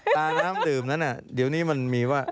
น้ำดื่มนั้นเดี๋ยวนี้มันมีว่า